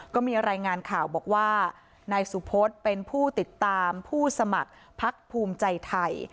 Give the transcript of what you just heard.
ก็มีรายงานข่าวบอกว่านายสุพศเป็นผู้ติดตามผู้สมัครพักภูมิใจไทย